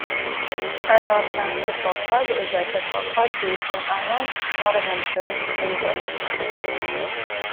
Arnold Town Football Club is a football club based in Arnold, Nottinghamshire, England.